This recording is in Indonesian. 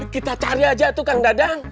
kita cari aja tuh kang dadang